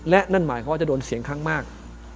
และนั่นหมายความว่าจะโดนเสียงข้างมาก